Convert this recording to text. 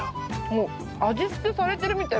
もう味付けされてるみたい。